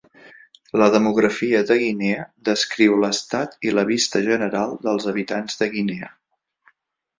La demografia de Guinea descriu l'estat i la vista general dels habitants de Guinea.